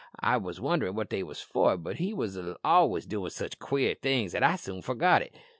I wondered what they wos for, but he wos al'ays doin' sich queer things that I soon forgot it.